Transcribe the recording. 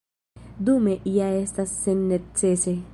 Dume ja estas sennecese.